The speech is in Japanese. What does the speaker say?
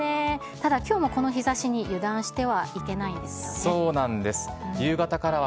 ただ、きょうもこの日ざしに油断してはいけないんですよね。